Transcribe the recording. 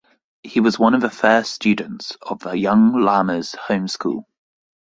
He was one of the first students of the Young Lamas Home School.